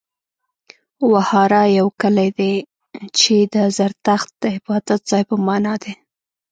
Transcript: وهاره يو کلی دی، چې د زرتښت د عبادت ځای په معنا دی.